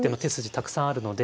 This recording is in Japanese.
たくさんあるので。